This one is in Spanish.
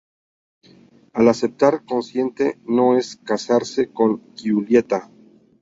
Al aceptar, consiente en no casarse con Giulietta.